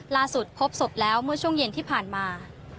ล่าสุดพบศพแล้วเมื่อช่วงเย็นที่ผ่านมา